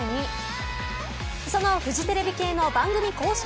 そのフジテレビ系の番組公式